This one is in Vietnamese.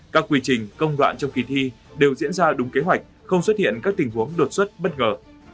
các quy trình công đoạn trong kỳ thi đều diễn ra đúng kế hoạch không xuất hiện các tình huống đột xuất bất ngờ